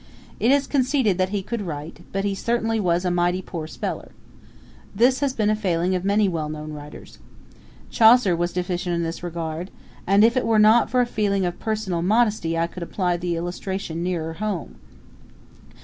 It is conceded that he could write, but he certainly was a mighty poor speller. This has been a failing of many well known writers. Chaucer was deficient in this regard; and if it were not for a feeling of personal modesty I could apply the illustration nearer home.